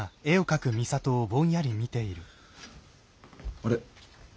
あれ？